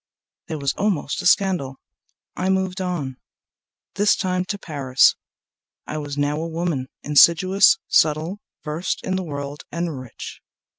) There was almost a scandal. I moved on, This time to Paris. I was now a woman, Insidious, subtle, versed in the world and rich.